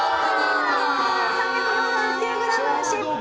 ３４９ｇ、失敗。